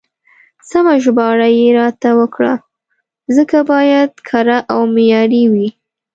سمه ژباړه يې راته وکړه، ځکه بايد کره او معياري وي.